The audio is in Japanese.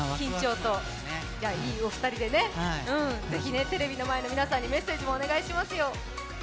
いいお２人で、ぜひテレビの前の皆さんにメッセージもお願いしますよ。